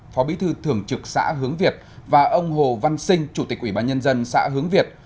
phó bí thư thường trực xã hướng việt và ông hồ văn sinh chủ tịch ủy ban nhân dân xã hướng việt